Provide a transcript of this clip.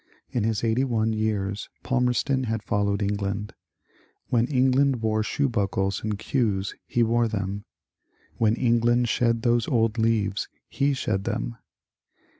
In his eighty one years Palmerston had followed England. When England wore shoebuckles and queues he wore them ; when England shed those old leaves he shed them.